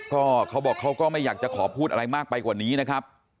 ก็เขาบอกเขาก็ไม่อยากจะขอพูดอะไรมากไปกว่านี้นะครับ